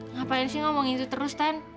ngapain sih ngomongin itu terus kan